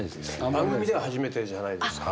番組では初めてじゃないですか？